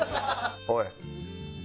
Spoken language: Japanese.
おい。